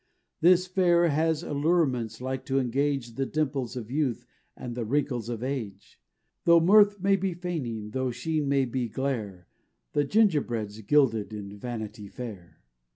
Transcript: This Fair has allurements alike to engage The dimples of youth and the wrinkles of age; Though mirth may be feigning, though sheen may be glare, The gingerbread's gilded in Vanity Fair.